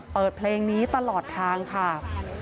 เปิดเพลงนี้ตลอดทางค่ะ